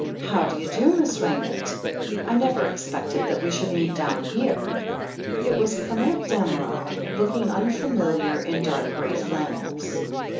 "How do you do. Miss Raymond ? I never expected that we should meet down here." It was Clement Damerel, looking tmfamiliar in dark grey flannels.